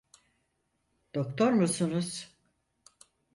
Doktor musunuz?